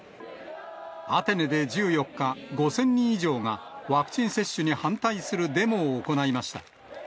アテネで１４日、５０００人以上がワクチン接種に反対するデモを行いました。